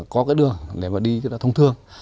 có cái đường để mà đi cho nó thông thương